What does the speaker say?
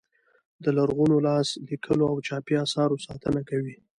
د لرغونو لاس لیکلو او چاپي اثارو ساتنه کوي.